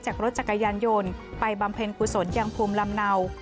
จากรถจักรยานยนต์ไปบำเพ็ญกุศลยังภูมิลำเนา